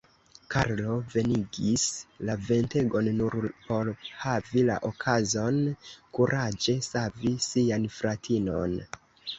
Karlo venigis la ventegon nur por havi la okazon kuraĝe savi sian fratinon.